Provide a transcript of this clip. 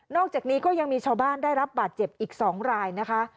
อกจากนี้ก็ยังมีชาวบ้านได้รับบาดเจ็บอีก๒รายนะคะ